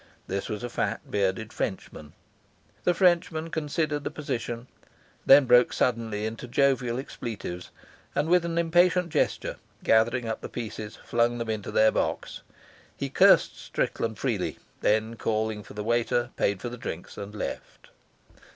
This was a fat, bearded Frenchman. The Frenchman considered the position, then broke suddenly into jovial expletives, and with an impatient gesture, gathering up the pieces, flung them into their box. He cursed Strickland freely, then, calling for the waiter, paid for the drinks, and left.